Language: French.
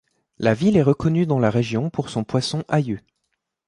La ville est reconnue dans la région pour son poisson Ayu.